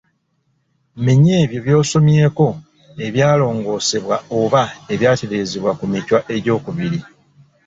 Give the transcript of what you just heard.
Menya ebyo by'osomyeko ebyalongoosebwa oba ebyatereezebwa ku Michwa II.